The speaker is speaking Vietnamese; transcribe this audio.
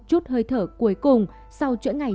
chút hơi thở cuối cùng sau chuyện ngày